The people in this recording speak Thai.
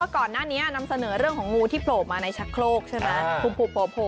ก่อนหน้านี้นำเสนอเรื่องของงูที่โผล่มาในชักโครกใช่ไหม